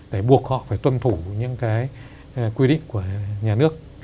để buộc họ phải tuân thủ những cái quy định của nhà nước